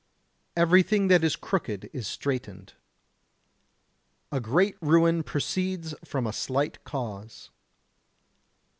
Everything that is crooked is straightened. Great ruin proceeds from a slight cause.